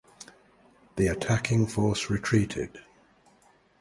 The attacking force retreated.